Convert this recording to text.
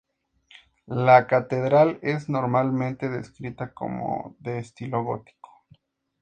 La catedral es normalmente descrita como de estilo gótico.